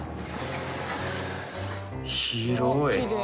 広い。